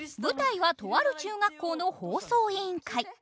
舞台はとある中学校の放送委員会。